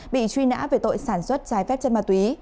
bị truy nã về tội sản xuất trái phép chất ma túy